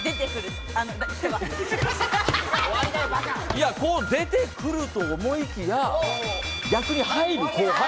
いや、出てくると思いきや、逆に入る。